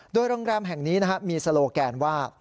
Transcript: โดยโรงแรมแห่งนี้มีโลแกนว่า